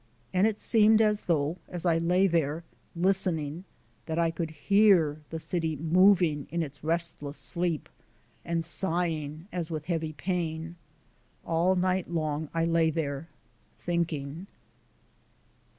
And it seemed as though, as I lay there, listening, that I could hear the city moving in its restless sleep and sighing as with heavy pain. All night long I lay there thinking.